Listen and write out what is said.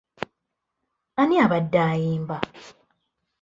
Ani abadde ayimba?